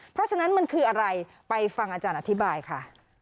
เพราะฉะนั้นมันคืออะไรไปฟังอาจารย์อธิบายค่ะ